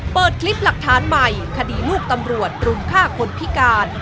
เปิดคลิปหลักฐานใหม่คดีลูกตำรวจรุมฆ่าคนพิการ